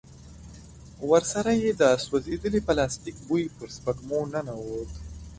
ورسره يې د سوځېدلي پلاستيک بوی پر سپږمو ننوت.